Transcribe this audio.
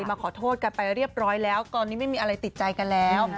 มาขอโทษกันไปเรียบร้อยแล้วตอนนี้ไม่มีอะไรติดใจกันแล้ว